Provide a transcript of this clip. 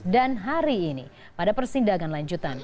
dan hari ini pada persindangan lanjutan